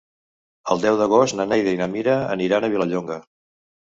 El deu d'agost na Neida i na Mira aniran a Vilallonga.